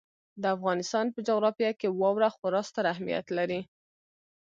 د افغانستان په جغرافیه کې واوره خورا ستر اهمیت لري.